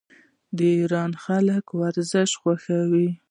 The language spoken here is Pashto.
د ایران خلک ورزش خوښوي.